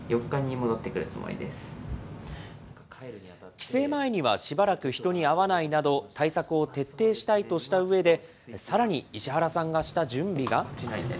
帰省前には、しばらく人に会わないなど、対策を徹底したいとしたうえで、さらに石原さんがした準備が。